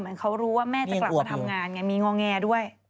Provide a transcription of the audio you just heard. เหมือนเขารู้ว่าแม่จะกลับมาทำงานไงมีงอแงด้วย